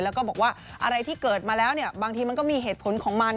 แล้วก็บอกว่าอะไรที่เกิดมาแล้วเนี่ยบางทีมันก็มีเหตุผลของมัน